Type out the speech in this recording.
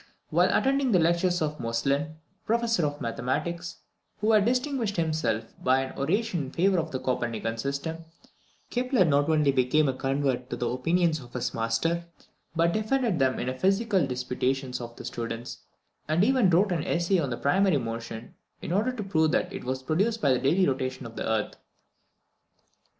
While attending the lectures of Moestlin, professor of mathematics, who had distinguished himself by an oration in favour of the Copernican system, Kepler not only became a convert to the opinions of his master, but defended them in the physical disputations of the students, and even wrote an essay on the primary motion, in order to prove that it was produced by the daily rotation of the earth.